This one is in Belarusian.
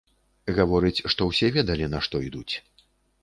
Гаворыць, што ўсе ведалі, на што ідуць.